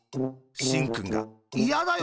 しんくんが「いやだよ。